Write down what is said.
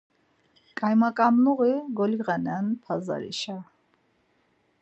Ǩaymaǩamluği goliğanen Pazarişa…